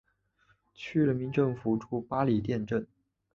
区人民政府驻八里店镇。